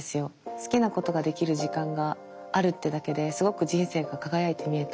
好きなことができる時間があるってだけですごく人生が輝いて見えたし